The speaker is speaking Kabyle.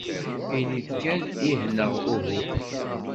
Ini-d kan ih neɣ uhu.